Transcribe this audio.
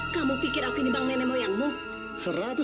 kamu pikir aku ini bang nenek moyang